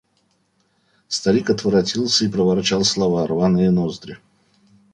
Старик отворотился и проворчал слова: «Рваные ноздри!»…